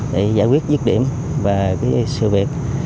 để giải quyết dứt điểm và sự việc